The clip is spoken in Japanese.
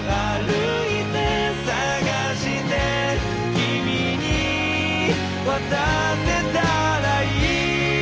「君に渡せたらいい」